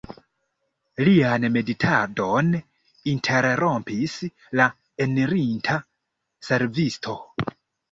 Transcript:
Lian meditadon interrompis la enirinta servisto.